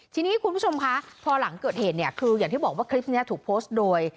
ทีนี้คุณผู้ชมคะพอหลังเกิดเหตุเนี่ยคืออย่างที่บอกว่าคลิปนี้ถูกโพสต์โดย